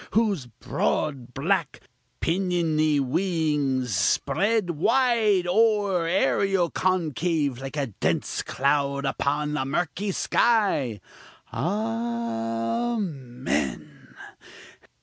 whose broad, black, piniony wings spread wide o'er the ærial concave like a dense cloud upon a murky sky? (A a men!)